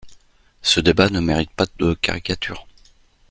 Ce débat ne mérite pas de caricatures.